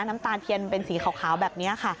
น้ำตาเทียนเป็นสีขาวแบบนี้ค่ะ